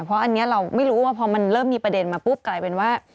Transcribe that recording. เพราะอันนี้เราไม่รู้ว่าพอมันเริ่มมีประเด็นมาปุ๊บกลายเป็นว่า